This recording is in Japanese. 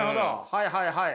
はいはいはい。